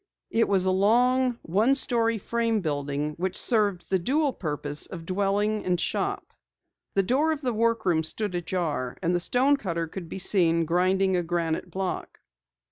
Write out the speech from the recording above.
It was a long, one story frame building which served the dual purpose of dwelling and shop. The door of the workroom stood ajar, and the stonecutter could be seen grinding a granite block.